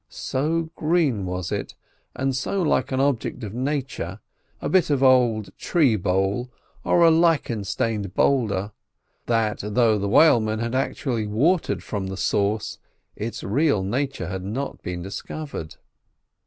So green was it, and so like an object of nature, a bit of old tree bole, or a lichen stained boulder, that though the whalemen had actually watered from the source, its real nature had not been discovered.